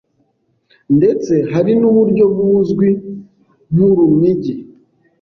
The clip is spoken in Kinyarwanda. Ndetse hari n’uburyo buzwi nk’urunigi,